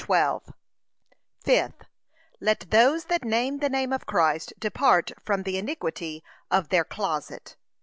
But, Fifth, Let those that name the name of Christ depart from the iniquity of THEIR CLOSET.